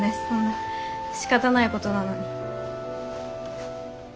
そんなしかたないことなのに。